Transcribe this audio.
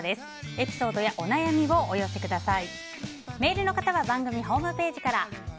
エピソードやお悩みをお寄せください。